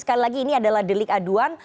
sekali lagi ini adalah delik aduan